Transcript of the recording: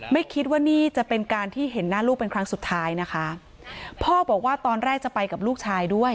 ไม่คิดว่านี่จะเป็นการที่เห็นหน้าลูกเป็นครั้งสุดท้ายนะคะพ่อบอกว่าตอนแรกจะไปกับลูกชายด้วย